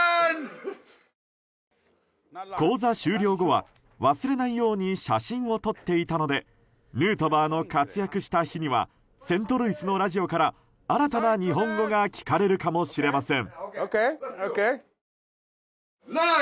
講座終了後は、忘れないように写真を撮っていたのでヌートバーの活躍した日にはセントルイスのラジオから新たな日本語が聞かれるかもしれません。